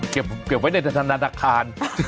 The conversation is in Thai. เก็บไว้ในธนาคาร